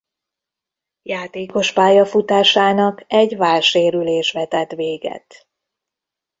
Játékos-pályafutásának egy vállsérülés vetett véget.